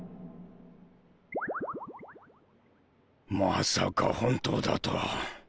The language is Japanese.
まさか本当だとは。